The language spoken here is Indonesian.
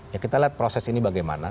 ya kita lihat proses ini bagaimana